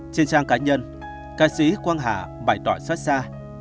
trên trang cá nhân ca sĩ quang hà bày tỏ xót xa